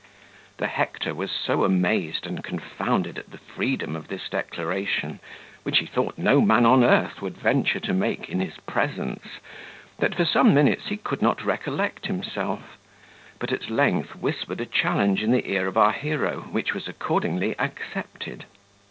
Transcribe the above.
The Hector was so amazed and confounded at the freedom of this declaration, which he thought no man on earth would venture to make in his presence, that, for some minutes, he could not recollect himself; but at length whispered a challenge in the ear of our hero, which was accordingly accepted.